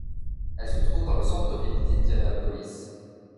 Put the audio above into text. Elle se trouve dans le centre-ville d'Indianapolis.